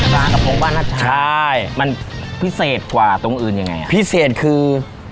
กระโปรงบ้านน่าจะใช่มันพิเศษกว่าตรงอื่นยังไงอ่ะพิเศษคือ